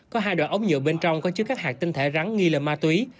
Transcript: có hai đoạn ống nhựa bên trong có chứa các hạt tinh thể rắn nghi là ma túy